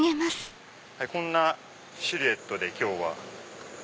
こんなシルエットで今日は。